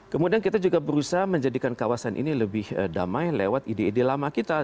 kemudian kita juga berusaha menjadikan kawasan ini lebih damai lewat ide ide lama kita